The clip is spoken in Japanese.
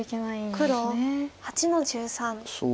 黒８の十三ツギ。